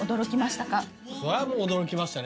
それはもう驚きましたね